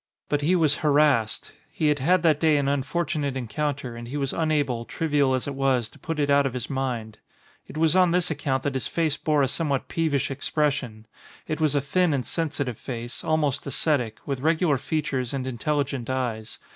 But he was harassed. He had had that day an unfortunate encounter and he was unable, trivial as it was, to put it out of his mind. It was on this account that his face bore a somewhat peevish expression. It was a thin and sensitive face, al most ascetic, with regular features and intelligent eyes.